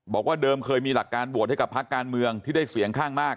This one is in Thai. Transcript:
บอกว่าเดิมเคยมีหลักการโหวตให้กับพักการเมืองที่ได้เสียงข้างมาก